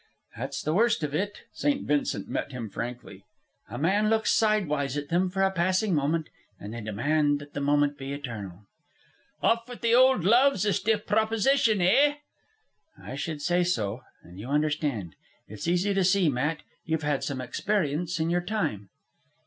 "That's the worst of it." St. Vincent met him frankly. "A man looks sidewise at them for a passing moment, and they demand that the moment be eternal." Off with the old love's a stiff proposition, eh?" "I should say so. And you understand. It's easy to see, Matt, you've had some experience in your time."